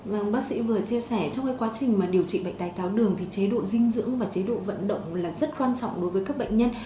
vâng bác sĩ vừa chia sẻ trong quá trình điều trị bệnh đái tháo đường thì chế độ dinh dưỡng và chế độ vận động là rất quan trọng đối với các bệnh nhân